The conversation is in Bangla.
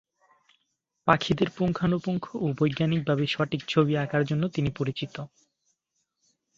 পাখিদের পুঙ্খানুপুঙ্খ ও বৈজ্ঞানিকভাবে সঠিক ছবি আঁকার জন্য তিনি পরিচিত।